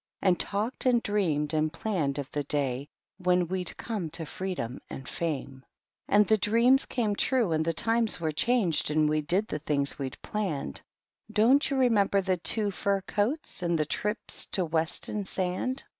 And talked and dreamed and planned of the day when we'd come to freedom and fame. And the dreams came true, and the times were changed, and we did the things we'd planned — (Don't you remember the two Fur Coats, and the trips to Weston sand?)